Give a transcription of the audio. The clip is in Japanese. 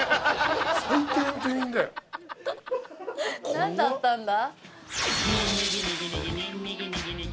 何だったんだ？